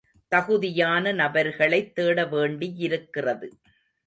தகுதியான நபர்களைத் தேடவேண்டியிருக்கிறது.